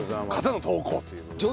方の投稿という事で。